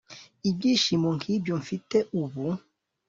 Ibyishimo nkibyo mfite ubu